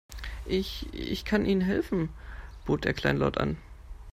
Ich, ich kann Ihnen helfen, bot er kleinlaut an.